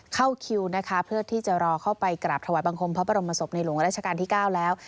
เข้าคิวนะคะเพื่อที่จะรอเข้าไปกราบถวายบังคมพระบรมศพในหลวงราชการที่๙แล้ว